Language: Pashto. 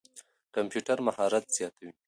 کمپيوټر مهارت زياتوي.